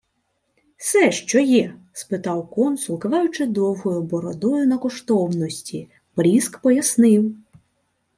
— Се що є? — спитав консул, киваючи довгою бородою на коштовності. Пріск пояснив.